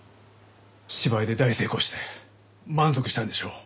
芝居で大成功して満足したんでしょう。